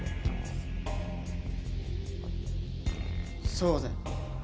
そうだよ。